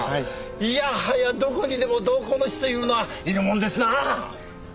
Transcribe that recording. いやはやどこにでも同好の士というのはいるもんですなあ！